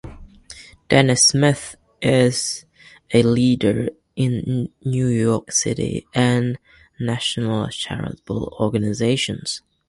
Dennis Smith is a leader in New York City and national charitable organizations.